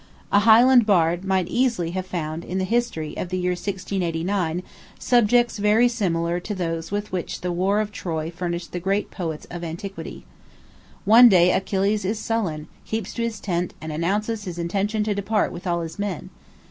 A Highland bard might easily have found in the history of the year 1689 subjects very similar to those with which the war of Troy furnished the great poets of antiquity. One day Achilles is sullen, keeps his tent, and announces his intention to depart with all his men.